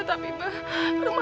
tapi ba rumah